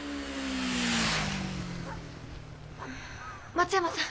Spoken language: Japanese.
松山さん。